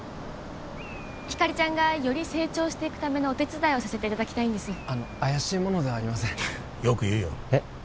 ひかりちゃんがより成長していくためのお手伝いをさせていただきたいんですあの怪しい者ではありませんよく言うよえっ？